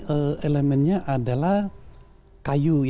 ini elemennya adalah kayu ya